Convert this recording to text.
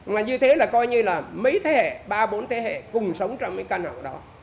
mà như thế là coi như là mấy thế hệ ba bốn thế hệ cùng sống trong cái căn hộ đó